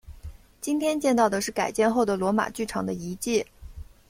今天见到的是改建后的罗马剧场的遗迹。